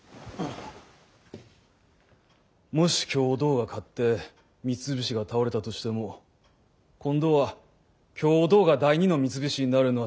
もし共同が勝って三菱が倒れたとしても今度は共同が第二の三菱になるのは知れたこと。